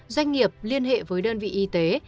doanh nghiệp liên hệ với đơn vị y tế